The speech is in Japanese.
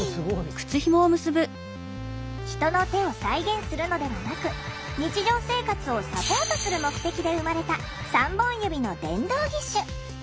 人の手を再現するのではなく日常生活をサポートする目的で生まれた３本指の電動義手。